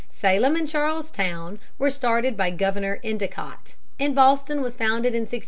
Salem and Charlestown were started by Governor Endicott, and Boston was founded in 1630.